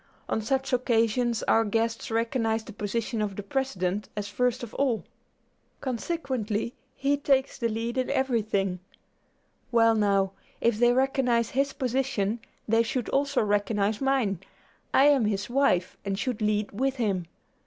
On such occasions our guests recognize the position of the President as first of all; consequently, he takes the lead in everything; well, now, if they recognize his position they should also recognize mine. I am his wife, and should lead with him.